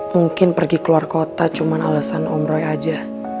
mungkin pergi keluar kota cuman alasan om roy aja